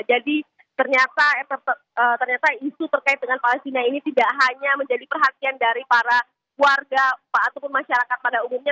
jadi ternyata isu terkait dengan palestina ini tidak hanya menjadi perhatian dari para warga ataupun masyarakat pada umumnya